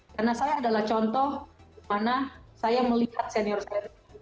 karena saya adalah contoh di mana saya melihat senior saya